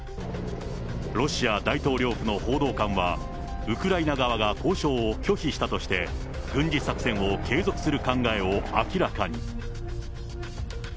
ロシア大統領府の報道官は、ウクライナ側が交渉を拒否したとして、軍事作戦を継続する考えを明らかに。